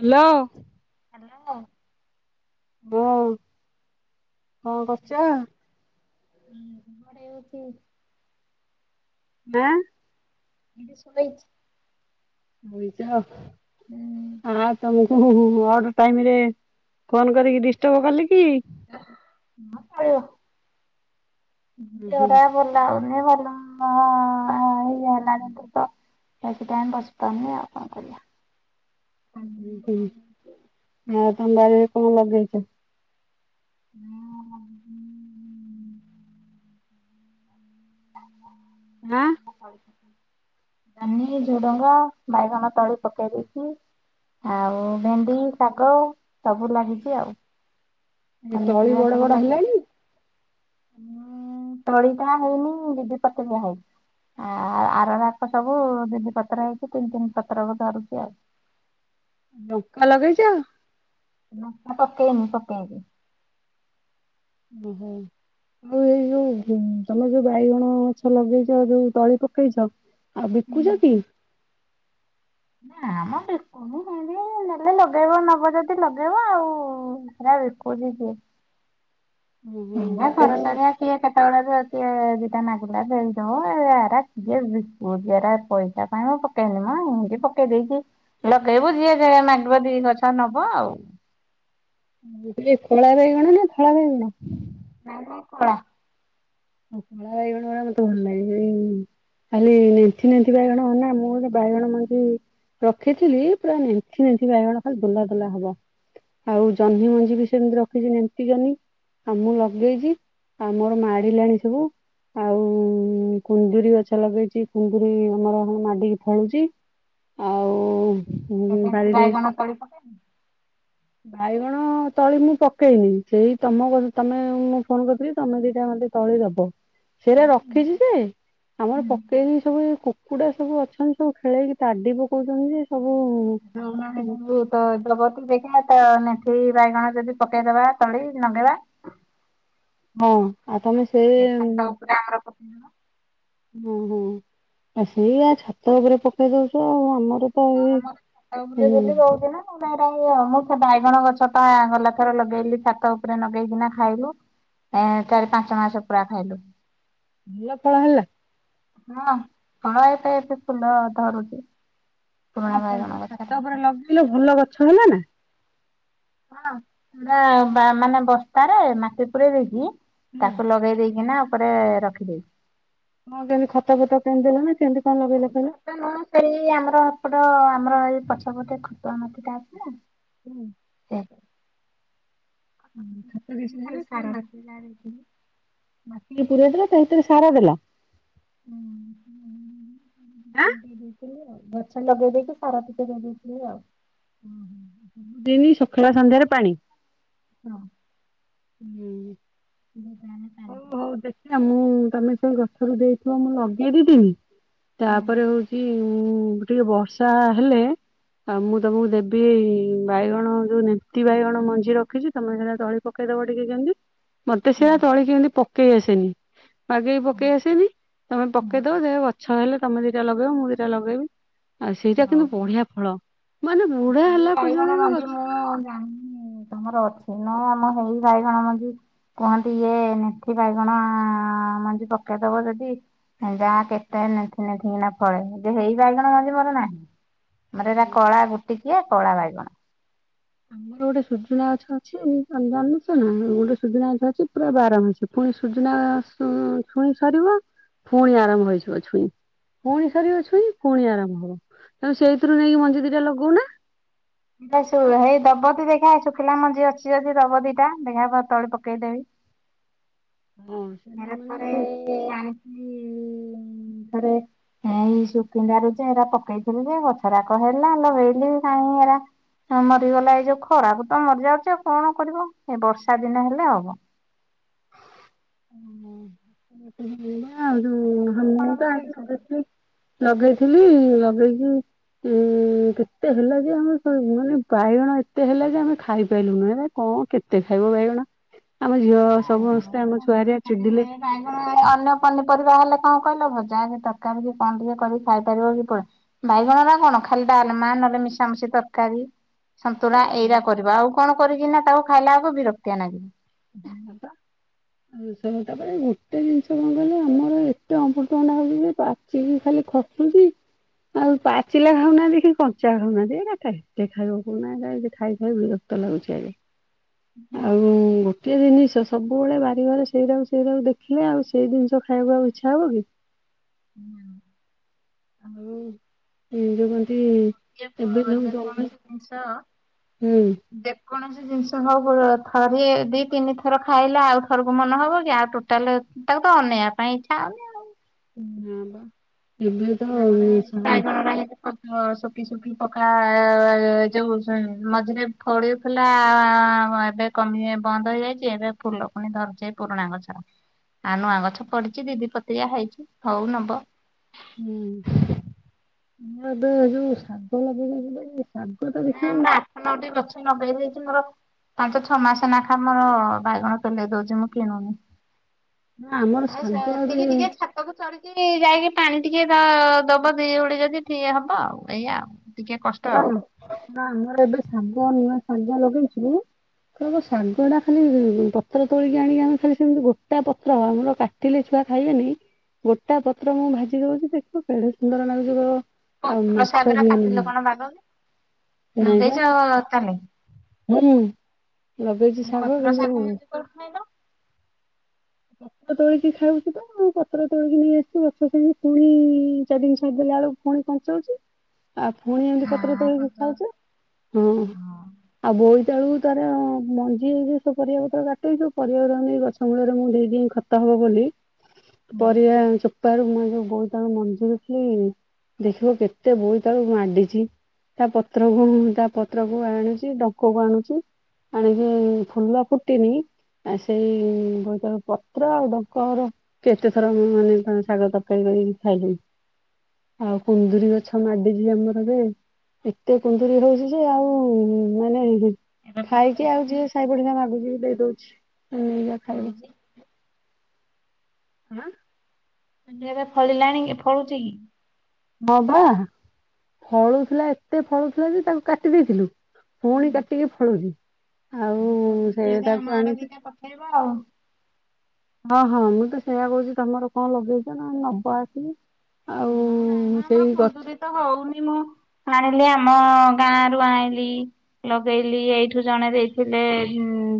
Hello. Hello. ହୁଁ କଣ କରୁଛ? ହୁଁ ଗଡେଇହଉଛି। ଆଁ। ଦିଦି ଶୋଇଛି। ବଇଛ? ହଁ ତମ ଓହୋ ହୋ ଅଡ୍ ଟାଇମରେ ଫୋନ କରିକି ଡିଷ୍ଟର୍ବ କଲି କି? ହୁଁ [inaudible] ହୁଁ ଖୋଲାହଉନି [unintelligible] ବେସି ଟାଇମ୍ ବସି ପାରୁନି, ଆଉ କଣ କରିବା। ହୁଁ ହୁଁ, ଆଉ ତମ ବାରିରେ କଣ ଲଗେଇଛ? ହୁଁ। ହାଁ? ଜହ୍ନି, ଝୁଡଙ୍ଗ, ବାଇଗଣ ତଳି ପକେଇ ଦେଇଛି। ଆଉ ଭେଣ୍ଡି ଶାଗ ସବୁ ଲାଗିଛି ଆଉ। ଏ ତଳି ବଡ ବଡ ହେଲାଣି। ହୁଁ ତଳି ଟା ହେଇନି ଦି ଦି ପତିରିଆ ହେଇଛି। ଆ ଆରମାସ ସବୁ ଦି ପତ୍ର ହେଇଛି ତିନି ତିନି ପତର ଧରୁଛି ଆଉ। ଲଙ୍କା ଲଗେଇଛ। ଲଙ୍କା ପକେଇନି ପକେଇବି। [unintelligible] ହଉ। ଆଉ ଏଇ ଯଉ ତମେ ଯଉ ବାଇଗଣ ଗଛ ଲଗେଇଛ ଯଉ ତଳି ପକେଇଛ ଆଉ ବିକୁଚ ହୁଁ। କି? ନା ମ ବିକୁ ସବୁ ଖାନ୍ତି ନେଲେ ଲଗେଇବ ନବ ଯଦି ଲଗେଇବ ଆଉ ହେଗୁରା ବିକୁଚି କିଏ? ଓହୋ ହେରା ଖରାଚାରିଆ ବାଇଗଣ କିଏ କେତେବେଳେ ଦିଟା ମାଗିଲା ହେଇଦେବ ହେରା କିଏ ବିକୁଚି ଏରା ପଇସା କାଇ ମୁଁ ପକେଇନି ମ ଏମତି ପକେଇ ଦେଇଛି ଲଗେଇବୁ ଯିଏ ଯାହା ମାଗିବ ଦି ଗଛ ନବ ଆଉ। କଳା ବାଇଗଣ ନା ଧଳା ବାଇଗଣ? ନା ନା କଳା। କଳା ବାଇଗଣ ରା ମୋତେ ଭଲ ଲାଗେ। ଖାଲି ନେଥି ନେଥି ବାଇଗଣ ମାନେ ମୁଁ ଗୋଟେ ବାଇଗଣ ମଞ୍ଜି ରଖିଥିଲି ପୁରା ନେନ୍ଥି ନେନ୍ଥି ବାଇଗଣ ଖାଲି ଦୁଲା ଦଲା ହବ। ଆଉ ଜହ୍ନି ମଞ୍ଜି ବି ସେମିତି ରଖିଛି ନେନ୍ଥି ଜହ୍ନି। ଆଉ ମୁଁ ଲଗେଇଛି ଆମର ମାଡିଲାଣି ସବୁ ଆଉ କୁନ୍ଦୁରି ଗଛ ଲଗେଇଛି କୁନ୍ଦୁରି ଆମର ମାଡିକି ଫଳୁଛି। ଆଉ ଆଉ କଣ ବାରିରେ ବାଇଗଣ ତଳି ପକେଇଲ? ବାଇଗଣ ତଳି ମୁଁ ପକେଇନି ସେଇ ତମ ତମେ ମୁଁ ଫୋନ୍ କରିଥିଲି ତମେ ଦିଟା ମୋତେ ତଳି ଦବ ସେରା ରଖିଛି ଯେ ଆମର ହୁଁ। ପକେଇକି ସବୁ ଏ କୁକୁଡ଼ା ସବୁ ଅଛନ୍ତି ସବୁ ଖେଳେଇକି ତାଡ଼ି ପକଉଛନ୍ତି ଯେ ସବୁ [unintelligible] ତ ହେବ ଯଦି ଦେଖିବା ତ ନେଥି ବାଇଗଣ ଯଦି ପକେଇଦବା ତଳି ନଗେଇବା। ହଁ ଆଉ ତମେ ସେ ଏ ଛାତ ଉପରେ ଆମର ପକେଇବା। ହୁଁ ହୁଁ ଆ ସେଆ ଛାତ ଉପରେ ପକେଇ ଦଉଛ ଆଉ ଆମର ତ ହଁ ଏଇ ଆମର ଛାତ ଉପରେ ହୁଁ ବୋଲି ରହୁଚି ନା। ମୁଁ ସେ ବାଇଗଣ ଗଛ ତ ଗଲା ଥର ଲଗେଇଲି ଛାତ ଉପରେ ଲଗେଇକିନା ଖାଇଲୁ ଏ ଚାରି ପାଞ୍ଚ ମାସ ପୁରା ଖାଇଲୁ। ଭଲ ଫଳ ହେଲା। ହଁ ହଁ ଏବେ ଏବେ ଫୁଲ ଧରୁଛି। ପୁରୁଣା ନା ବାଇଗଣ ଯଉ ଗଛରେ ଛାତ ଉପରେ ଲଗେଇଲୁ ଭଲ ଗଛ ହେଲା ନା। ହଁ ପୁରା ବା ମାନେ ବସ୍ତାରେ ମାଟି ପୁରେଇ ଦେଇକି ତାକୁ ଲଗେଇ ଦେଇକି ନା ଉପରେ ରଖିଦେଇଛି। ହଁ କେମିତି ଖତ ଫତ କେମିତି ଦେଲ ନା କେମିତି କଣ ଲଗେଇଲ କହିଲ? ମୁଁ ସେଇ ଆମର ଏପଟ ଆମର ଏଇ ପଛ ପଟେ ଖତୁଆ ମାଟିଟା ଅଛି ନା ହୁଁ। ଛାତ କିଛି ହେଲା [unintelligible] ମାଟି ଟିକେ ପୁରେଇ ଦେଲେ ତା ଭିତରେ ସାର ଦେଲା। ହୁଁ ହୁଁ। ଦେଇ ଦେଇଥିଲି ଆଉ ଗଛ ଲଗେଇ ଦେଇକି ସାର ଟିକେ ଦେଇ ଦେଇଥିଲେ ଆଉ। ଦିନି ସୁଖାଳ ସନ୍ଧ୍ୟାରେ ପାଣି? ହଁ। ହୁଁ। ବଉ ପାନ ହଉ ହଉ ଦେଖିବା ମୁଁ ତମେ ସେଇ ଗଛରୁ ଦେଇଥିବ ମୁଁ ଲଗେଇ ଦେଇଥିବି ତାପରେ ହଉଛି ଚି ଟିକେ ବର୍ଷା ହେଲେ ଆଉ ମୁଁ ତୁମକୁ ଦେବି ବାଇଗଣ ଯୋଉ ନି ବାଣୀ ତି ବାଇଗଣ ମଞ୍ଜି ରଖିଛି ତମେ ସେଇଟା [unintelligible] ପକେଇଦବ ଟିକେ ଜେମଟି। ମତେ ସେଇଆ ତଳି କେମିତି ପକେଇ ଆସେନି ବାଗେଇକି ପକେଇ ହଁ। ଆସେନି। ତମେ ପକେଇଦବ ଯାହା ଗଛ ହେଲେ ତମେ ଦିଟା ଲଗେଇବ ମୁଁ ଦିଟା ଲଗେଇବି। ଆଉ ସେଇଟା କିନ୍ତୁ ବଢ଼ିଆ ଫଳ। ମାନେ ବୁଢା କି ହେଲା ପର୍ଯ୍ୟନ୍ତ ବାଇଗଣ ବି ମଞ୍ଜି ଗଛ ମୁଁ ଜାଣିନି? ତମର ଅଛି ନା ଆମ ହେଇ ବାଇଗଣ ମଞ୍ଜି କୁହନ୍ତି ଯେ ନେଥି ବାଇଗଣ ମଞ୍ଜି ପକେଇଦବ ଯଦି ଯା କେତେ ନେଥି ନେଥି କିନା ଫଳେ ଯେ ହେଇ ବାଇଗଣ ମଞ୍ଜି ମୋର ନାହିଁ। ମୋର ଏରା କଳା ଗୋଟିକିଆ କଳା ବାଇଗଣ। ଆମର ଗୋଟେ ସୁଜୁନା ଗଛ ଅଛି ଜାଣିଛନା ଆମର ଗୋଟେ ସୁଜୁନା ଗଛ ଅଛି ପୁରା ବାରମାସି। ପୁଣି ସୁୂଜୁନା ଛୁ ଛୁଇଁ ସରିବ ପୁଣି ଆରମ୍ଭ ହେଇଯିବ ଛୁଇଁ। ପୁଣି ସରିବ ଛୁଇ ପୁଣି ଆରମ୍ଭ ହବ ତମେ ସେଇଥିରୁ ନେଇକି ମଞ୍ଜି ଦିଟା ଲଗଉନା। ଦେଖା ଶୁ ହେଇ ଦବତି ଦେଖା ଶୁଖିଲା ମଞ୍ଜି ଅଛି ଯଦି ଦବଦୀଟା ଦେଖିବା ଭ ତଳି ପକେଇଦେବି। ହୁଁ। ଏରେଥରେ ଆଣିଥିଲି ଇ ଇ ଥରେ ମୁଁ ଏଇ ସୁକିନ୍ଦାରୁ ଯେ ଏରା ପକେଇଥିଲି ଯେ ଗଛରାକ ହେଲା ଲଗେଇଲି କାଇଁ ହେରା ହ ମରିଗଲା ଏଇ ଯୋଉ ଖରାପ ତ ମରିଯାଉଛି ଆଉ କଣ କରିବ ଏଇ ବର୍ଷା ଦିନ ହେଲେ ହବ। ତମର କଣ ଲଗେଇଛ? କି? [unintelligible] ଲଗେଇଥିଲି ଲଗେଇକି ଉଁ ଉଁ କେତେ ହେଲା ଯେ ଆମେ ମାନେ ବାଇଗଣ ଏତେ ହେଲା ଯେ ଆମେ ଖାଇପାଈଲୁନି ଏରା। କଣ କେତେ ଖାଇବ ବାଇଗଣ ଆମ ଝିଅ ବାଇଗଣ ସମସ୍ତେ [unintelligible] [unintelligible] ଚିଡିଲେ ବାଇଗଣ ଅନ୍ୟ ପନିପରିବା ହେଲେ କଣ କହିଲ ଭଜା ହବ ତରକାରୀ କି କଣ ଟିକେ କରିକି ଖାଇ ପାରିବ କି ତୋ ବାଇଗଣ ରା କଣ ଖାଲି ଡାଲମା ନହେଲେ ମିଶାମିଶି ତରକାରୀ। ସନ୍ତୁଳା ଏଇରା କରିବା ଆଉ କଣ କରିକିନା ତାକୁ ଖାଇଲା ବେଳକୁ ବିରକ୍ତିଆ ନାଗିବ। ହୁଁ ପା। [inaudible] [unintelligible] ତାପରେ ଏତେ ଜିନିଷ କଣ କହିଲ ଆମର ଏତେ ଅମୃତଭଣ୍ଡା ହଉଛି ଯେ ପା ଚିକୀ ଖାଲି ଖଶୁଛି। ଆଉ ପାଚିଲା ଖାଉନାହାନ୍ତି କି କଞ୍ଚା ଖାଉନାହାନ୍ତି ଏରା କେତେ ଖାଇବ କୋଉନାହାନ୍ତି ଖାଇ ଖାଇ ବିର କ୍ତ ଲାଗୁଛି ଆଗେ ଆଉ ଗୋଟିଏ ଜିନିଷ ସବୁବେଳେ ବାରି ଘର ସେଇରାକୁ ସେଇରାକୁ ଦେଖିଲେ ଆଉ ସେଇ ଜିନିଷ ଖାଇବାକୁ ଇଚ୍ଛା ହବ କି? ହୁଁ। ଆଉ ଯେମିତି ଯେକୋ ଯେ କୌଣସି ଜିନିଷ। ହୁଁ। ଯେକୌଣସି ଜିନିଷ ହଉଁ ବରଂ ଥରିଏ ଦି ତିନି ଥର ଖାଇଲେ ଆଉ ଥରକୁ ମନ ହବ କି ଆଉ ଟୋଟାଲେ ତାକୁ ତ ଅନେଇବା ପାଇଁ ଇଚ୍ଛା ହଉନି ଆଉ। ହଁବା [unintelligible] ଅଧିକ ସୋଫି ସୋଫି ପକ [inaudible] ଯୋଉ ସେ ମଝିରେ ଫଳେ ଥିଲା ଆ ଏବେ କମି ବନ୍ଦ ହେଇଯାଇଛି ଏବେ ଫୁଲ ପୁଣି ଧରିଛି ଏଇ ପୁରୁଣା ଗଛରେ। ଆଉ ନୂଆ ଗଛ ପଡିଚି ଦିଦି ପତ୍ରିଆ ହେଇଛି ହଉ ନବ। ହୁଁ ଏବେ ଯୋଉ ସାଗ ଲଗେଇବା [inaudible] ଶାଗ ଟା ଦେଖିବୁ ନଟି ଗଛ ନଗେଇ ଦେଇଛି ମୋର ପାଞ୍ଚ ଛଅ ମାସ ନେଖା ମୋର ବାଇଗଣ ପେଲେଇ ଦଉଛି ମୁଁ କିଣୁନି। ନା ଆମର ଭାଇ ଶାଗ ଏବେ ସେତିକିି ଟିକେ ଠାକ ସବୁ ଛାଡିକି ଯାଇକି ପାଣି ଟିକେ ଦ ଦବ ଦି ଓଳି ଯଦି ଟିଏ ହବ ଆଉ ଏଇଆ ଆଉ। ଟିକେ କଷ୍ଟ ନା ଆଉ। ଆମର ଏବେ ଶାଗ ନୂଆ ଶାଗ ଲଗେଇଛି କଇବୁ ଶାଗ ଟା ଖାଲି ପତ୍ର ତୋଳିକି ଆଣିକି ଆମେ ଖାଲି ସେମିତି ଗୋଟା ପତ୍ର ଆମର କା କଟିଲେ ଛୁଆ ଖାଇବେନି ଗୋଟା ପତ୍ର ମୁଁ ଭାଜି ଦଉଛି ଦେଖିବ ବେଢେ ସୁନ୍ଦର ଲାଗୁଛି କଇବ ପତ୍ର ସାଗରା କାଟିଲେ କଣ ବାବ କି ନାଇଁ ବା ନଗେଇଚ ତାନେ। ହୁଁ ଲଗେଇଛି ସାଙ୍ଗ ପତ୍ର କିନ୍ତୁ ଶାଗ ମଞ୍ଜି କୋଉଠୁ ଆଣିଲ? ପତ୍ର ତୋଳିକି ଖାଉଛି ତ ମୁ ପତ୍ର ତୋଳିକି ନେଇ ଆସିି ଗଛ ସାଙ୍ଗେ ପୁଣି ଚାରିଦିନ ଛାଡି ଦେଲା ବେଳୁକୁ ପୁଣି କଞ୍ଚଉଛି ଆଉ ପୁଣି ଏମିତି ପତ୍ର ତୋଳିକି ଖାଉଚୁ। ହଁ ଆଉ ବୋଇତାଳୁ ତାର ମଞ୍ଜି ହେଇଯା ପରିବାକୁ ତ କାଟେଇ ସେ ପରିବା ଗଛ ମୂଳରେ ମୁଁ ଦେଇ କିଁ ଖତ ହବ ବୋଲି ହୁଁ ପରିବା ଚୋପ୍ ପାରୁ ମୁଁ ଯୋଉ ବୋଇତାଳୁ ମଞ୍ଜିହେଇକି ଦେଖିବ କେତେ ବୋଇ ତାଳୁ ମାଣ୍ଡିଚି। ତା ପତ୍ରକୁ ତା ପତ୍ର କୁ ଆଣୁଚି ଡଙ୍କ କୁ ଆଣୁଚି ଆଣିକି ଫୁଲ ଫୁଟିନି ଆ ସେଇ ବୋଇତାଳୁ ପ ତ୍ର ଆଉ ଡଙ୍କଅର କେତେ ଥର ମାନେ ଶାଗ ତରକାରୀ କରିକି ଖାଇଲୁଣି। ଆଉ କୁନ୍ଦୁରି ଗଛ ମାଡିଚି ଆମର ଜେ ଏତେ କୁନ୍ଦୁରି ହୋଉଚି ଯେ ଆଉ ମାନେ ଏବେ ଫଳୁଛି ଖାଇକି ଆଉ ଯିଏ ସାଇ ପଡିସା ମାଗୁଚି ଦେଇ ଦୋଉଚି ହୁଁ। [unintelligible] ଆଁ। ମୁଁ କନି ଏବେ ଫଳିଲାଣି ଫଳୁଚି କି। ହବା ଫଳୁ ଥିଲା ଏତେ ଫଳୁଥିଲା ଯେ ତାକୁ କାଟି ଦେଇଥିଲୁ ପୁଣି ହୁଁ। କାଟିକି ଫଳୁଚି ଆଉ ସେ ତାକୁ ଆଣୁଚୁ। ହେବ। ହଁ ହଁ ମୁଁ ତ ସେଇୟା କୋଉଚି ତମର କଣ ଲଗେଇଛ ନା ନବ ଆସିକି। ଆଉ ହଁ ନାଇଁ ମ ଆମର ସେଇ ଗଛ କୁନ୍ଦୁୁରୀ ତ ହଉନି ମ। ଆଣିଲି ଆମ ଗାଁ ରୁ ଆଇଁଲି। ଲଗେଇଲି ଏଇଠୁ ଜଣେ ଦେଇଥିଲେ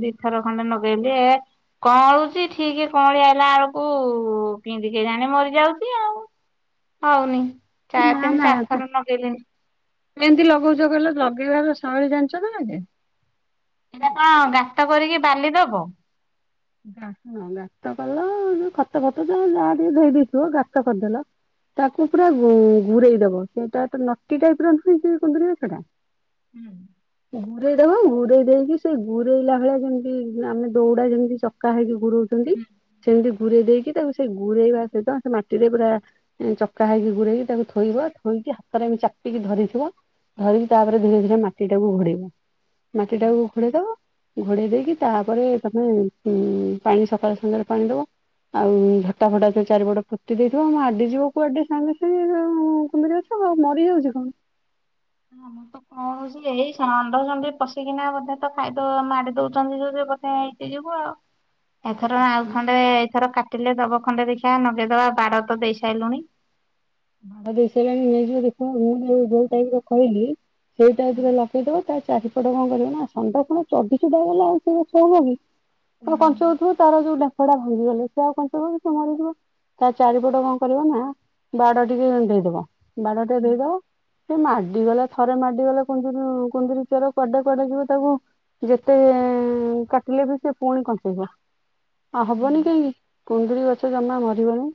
ଦିଥର ଖଣ୍ଡେ ଲଗେଇଲି ଏ କଅଁଳୁଛି ଠିକି କଅଁଳି ଆଇଲା ଆଳକୁ କିନ୍ତି କେଜାଣି ମରିଯାଉଚି ଆଉ। ହଉନି। ଚା ନା ତିନି ନା ତ ଚାରିଥର ଲଗେଇଲିଣି କେନ୍ତି ଲଗଉଚ କଇଲ ଲଗେଇବାର ଶୈଳୀ ଜାଣିଚ ନା [unintelligible] ଏଇଟା କଣ ଗାତ କରିକି ବାଲି ଦବ। [unintelligible] ଗାତ କଲ ଯୋ ଖତ ଫତ ଯୋ ଯାହା ଟିକେ ଧେ ଦେଇଥିବ ଗାତ କରିଦେଲ ତାକୁ ପୁରା ଗୁରେଇ ଦବ। ସେଟା ତ ନଟି ଟାଇପ ର ନୁହଁ କୁନ୍ଦୁରି ଗଛଟା। ହୁଁ ଗୁରେଇଦବ ଗୁରେଇ ଦେଇକି ସେ ଗୁରେଇଲା ଭଳିଆ ଯେମିତି ଆମେ ଦୌଡା ଯେମିତି- କାହିଙ୍କି ଗୁଡ଼ଉ ଛନ୍ତି। ସେମିତି ଘୁରେଇ ଦେଇକି ତାକୁ ସେ ଗୁଡେଇବା ସହିତ ସେ ମାଟିରେ ପୁରା- ଚକା ହେଇକି ଗୁଡେଇକି ତାକୁ ଥୋଇବ ଥୋଇକି ହାତରେ ଏମିତି ଚାପିକି ଧରିଥିବ। ଧରିକି ତାପରେ ଧୀରେ ଧୀରେ ମାଟିଟାକୁ ଘୋଡେଇବ। ମାଟିଟାକୁ ଘୋଡେଇ ଦବ। ଘୋଡେଇ ଦେଇକି ତାପରେ ତମେ- ହୁଁ ପାଣି ସକାଳେ ସଞ୍ଜରେ ପାଣି ଦବ। ଆଉ ଝଟା ଫଟା ସେ ଚାରିପଟ ଫୋତି ଦେଇଥିବ ଆମ ଆଡି ଯିବ କୁଆଡେ ସାଙ୍ଗେ ସାଙ୍ଗେ ଆ କୁନ୍ଦୁରି ଗଛ। ହଁ ହଁ ମରିଯାଉଛି କଣ? ହଁ ମୁଁ ତ - ହଁ ସେ ଏଇ ଷଣ୍ଢ ସଣ୍ଢି ପଶିକିନା ବୋଧେ ତ ଖାଇଦ ମାଡି ଦଉଛନ୍ତି ଯୋଉ ବଧେ ହେଇକି ଯିବୁ ଆଉ। [inaudible] ଏଥର ଆଉ ଆସି ଖଣ୍ଡେ ଏଥର କାଟିଲେ ଦବ ଖଣ୍ଡେ ଦେଖିବା ଆ ନଗେଇଦବା ବାଡ ତ ଦେଇ ସାରିଲୁଣି। ବା ଦେ ସେ ନେଇଯିବ ଦେଖ ମୁଁ ଯୋଉ ଟାଇପରେ କହିଲି ସେଇ ହୁଁ ଟାଇପରେ ଲ- ସେଇଦବ ତା ଚାରିପଟ କଣ କରିବ ନା ଣ୍ଡା କଣ ଚଢିଚା ଗଲା ଆଉ ସେ ହବ କି? ପ୍ର ପଞ୍ଚ ଉଥରୁ ତାରା ଯୋଉଟା। ଗଛଟା ଭଙ୍ଗିବନି [unintelligible] ତା ଚାରିପଟେ କଣ କରିବ ନା- ବାଡ ଟିକେ ଦେଇଦବା। ବାଡ ଟେ ହୁଁ ଦେଇଦବା - ସେ ମାଡିଗଲେ ଥରେ ମାଡିଗଲେ କୁନ୍ଦୁରୁ କୁନ୍ଦୁରି ଚେର କୁଆଡେ କୁଆଡେ ଯିବ ତାକୁ- ଯେତେ କାଟିଲେ ବି ସେ ପୁଣି କଞ୍ଚେଇବ। ଆଉ ହୁଁ ହବନି କାହିଁକି କୁଣ୍ଡୁଳି ଗଛ ଜମା ମରିବନି।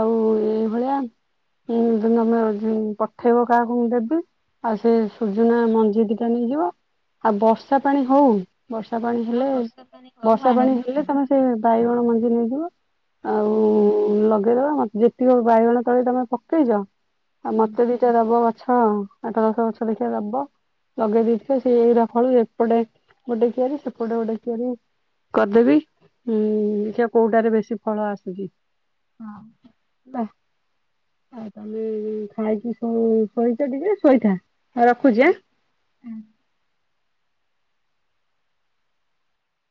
ଆଉ ଏ- ଭଳିଆ। ଉଁ ନହେଲେ ପଠେଇବ କାହାକୁ ମୁଁ ଦେବି। ଆଉ ସେ ସୂଜୁନା ମଞ୍ଜି ଦୁଇଟା ନେଇଯିବ। ଆଉ ବର୍ଷା ପାଣି ହଉ। ବର୍ଷା ପାଣି ହଁ ହେଲେ, ବର୍ଷା ପାଣି ହଉ ବର୍ଷା ପାଣି ଆଣିକି ହେଲେ ନଗେଇବା। ତମେ ସେ ବାଇଗଣ ମଞ୍ଜି ନେଇଯିବ। ଆଉ ହୁଁ ଲଗେଇଦବା ମୋତେ ଯେତିକି ବାଇଗଣ ତୋଳି ତମେ ପକେଇଛ ଆଉ ହଁ। ମୋତେ ବି- ଦବ ଗଛ ଆଉ। ଆଠ ଦଶ ଗଛ ଦେଖିବା ଦବ। ଲଗେଇ ଦେଇେଇଥିବ ସେଏ ଏଇଟା ଫଳୁ ଏପଟେ ଗୋଟେ କିଆରି ସେପଟେ ଗୋଟେ କିଆରି। କରିଦେବି ଉଁ ଦେଖା କୋଉଟାରେ ବେଶୀ ଫଳ ଆସୁଛି। ହଁ। ହେ ଆଉ ତମେ ଖାଇକି ଶୋଇଛ ଟିକେ ଶୋଇଥା। ରଖୁଛି ହେଁ। ହଁ।